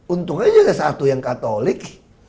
untung aja ada satu yang katolik